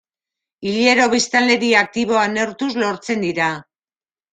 Hilero biztanleria aktiboa neurtuz lortzen dira.